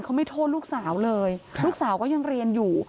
เขาไม่โทษลูกสาวเลยลูกสาวก็ยังเรียนอยู่